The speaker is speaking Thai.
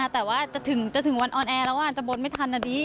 แต่ว่าถึงวันออนแอร์แล้วอาจจะบนไม่ทันนะดี